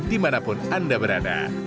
dimanapun anda berada